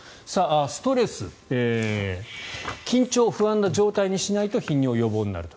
ストレス緊張・不安な状態にしないと頻尿予防になると。